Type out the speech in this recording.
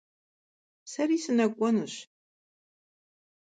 Seri sınek'uenuş.